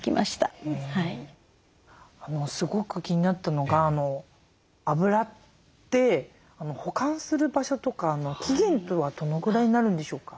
すごく気になったのがあぶらって保管する場所とか期限とはどのぐらいになるんでしょうか？